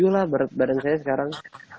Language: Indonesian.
lah badan saya sekarang